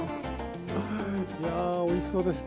いやあおいしそうです。